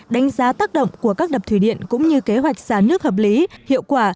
đánh giá tác động của các đập thủy điện cũng như kế hoạch xả nước hợp lý hiệu quả